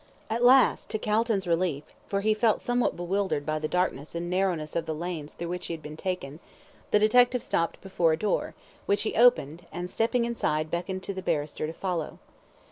At last, to Calton's relief, for he felt somewhat bewildered by the darkness and narrowness of the lanes through which he had been taken, the detective stopped before a door, which he opened, and stepping inside, beckoned to the barrister to follow.